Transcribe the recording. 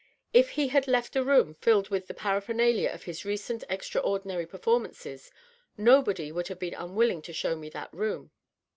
If he had left a room filled with the paraphernalia of his recent extraordinary performances, nobody would have been unwilling to show me that room.